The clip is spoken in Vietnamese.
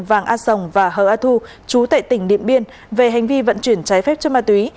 vàng á sồng và hờ á thu chú tệ tỉnh niệm biên về hành vi vận chuyển trái phép cho ma túy